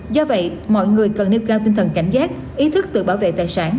do vậy mọi người cần nêu cao tinh thần cảnh giác ý thức tự bảo vệ tài sản